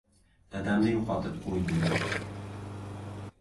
Dadamni yo‘qotib qo‘ydini